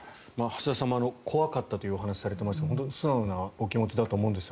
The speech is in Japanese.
橋田さんも怖かったという話をされていますが素直なお気持ちだと思うんです。